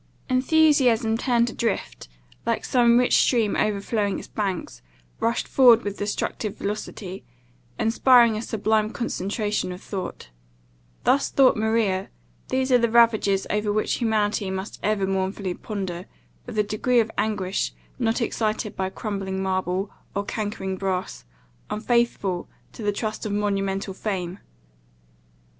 Enthusiasm turned adrift, like some rich stream overflowing its banks, rushes forward with destructive velocity, inspiring a sublime concentration of thought. Thus thought Maria These are the ravages over which humanity must ever mournfully ponder, with a degree of anguish not excited by crumbling marble, or cankering brass, unfaithful to the trust of monumental fame.